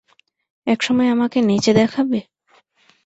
একসময় আমাকে নেচে দেখাবে?